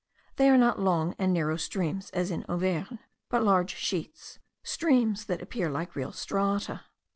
They are not long and narrow streams as in Auvergne, but large sheets, streams that appear like real strata.